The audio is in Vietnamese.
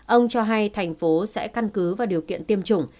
ông cho hay thành phố sẽ căn cứ vào điều kiện tiêm chủng